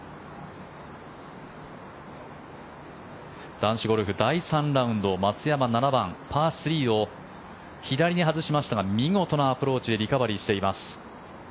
男子ゴルフ第３ラウンド松山７番、パー３を左に外しましたが見事なアプローチでリカバリーしています。